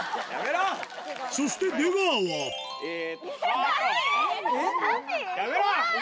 そして出川はえぇ！